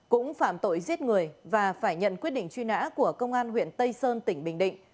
cũng phạm tội giết người và phải nhận quyết định truy nã của công an huyện tây sơn tỉnh bình định